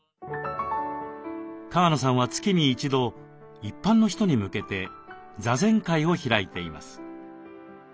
川野さんは月に一度一般の人に向けて座禅会を開いています。